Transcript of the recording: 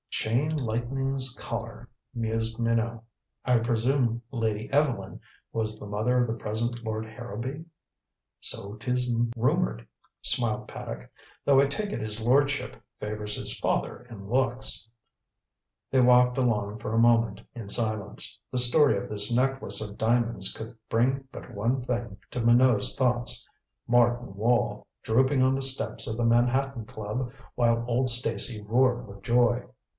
"Chain Lightning's Collar," mused Minot. "I presume Lady Evelyn was the mother of the present Lord Harrowby?" "So 'tis rumored," smiled Paddock. "Though I take it his lordship favors his father in looks." They walked along for a moment in silence. The story of this necklace of diamonds could bring but one thing to Minot's thoughts Martin Wall drooping on the steps of the Manhattan Club while old Stacy roared with joy.